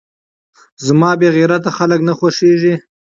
زما بې غيرته خلک نه خوښېږي .